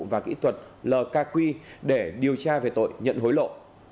và kỹ thuật lkq để điều tra về tội nhận hối lộ